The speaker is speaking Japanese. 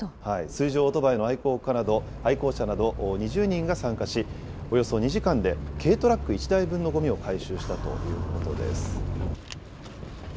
水上オートバイの愛好家など、愛好者など２０人が参加し、およそ２時間で軽トラック１台分のごみを回収したということです。